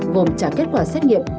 gồm trả kết quả xét nghiệm